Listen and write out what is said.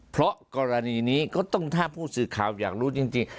เพราะกรณีนี้ก็ต้องถ้าผู้สื่อข่าวอยากรู้จริง